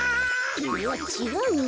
いやちがうな。